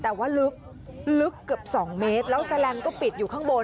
แต่ว่าลึกลึกเกือบ๒เมตรแล้วแสลมก็ปิดอยู่ข้างบน